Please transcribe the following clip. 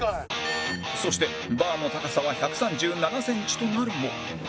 そしてバーの高さは１３７センチとなるも